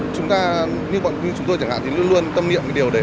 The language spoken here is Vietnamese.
chúng ta như bọn quý chúng tôi chẳng hạn thì luôn luôn tâm niệm cái điều đấy